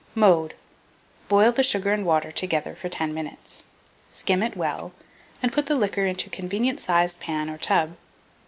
Mode. Boil the sugar and water together for 10 minutes; skim it well, and put the liquor into a convenient sized pan or tub.